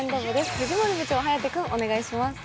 藤森部長、颯君、お願いします。